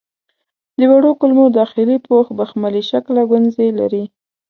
د وړو کولمو داخلي پوښ بخملي شکله ګونځې لري.